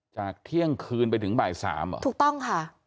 จากเที่ยงคืนไปถึงบ่าย๓อ่ะถูกต้องค่ะ